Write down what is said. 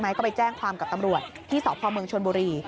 ก็ไปแจ้งความกับตำรวจที่สพเมืองชนบุรี